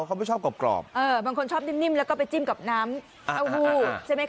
เขาไม่ชอบกรอบกรอบเออบางคนชอบนิ่มแล้วก็ไปจิ้มกับน้ำเต้าหู้ใช่ไหมคะ